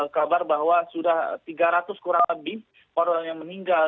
kabar bahwa sudah tiga ratus kurang lebih orang yang meninggal